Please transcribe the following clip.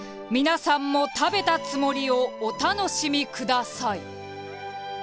皆さんも食べたつもりをお楽しみください。